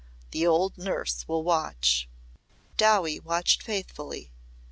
"The old nurse will watch." Dowie watched faithfully.